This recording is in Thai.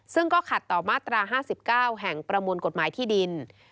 ซึ่งก็ขัดต่อมาตรา๕๙แห่งประมวลกฎหมายที่ดิน